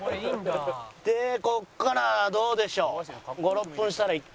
でここからどうでしょう。